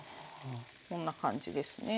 こんな感じですね。